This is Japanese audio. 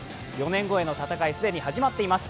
４年後への戦い既に始まっています。